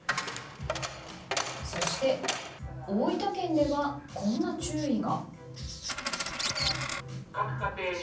そして大分県ではこんな注意が。